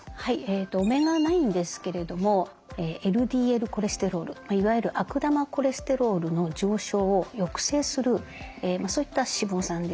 オメガ９ですけれどもＬＤＬコレステロールいわゆる悪玉コレステロールの上昇を抑制するそういった脂肪酸です。